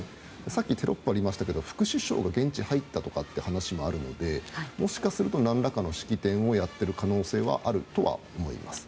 さっきテロップがありましたけど副首相が現地に入ったという話もあるのでもしかすると何らかの式典をやっている可能性はあるとは思います。